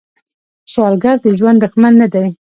سوالګر د ژوند دښمن نه دی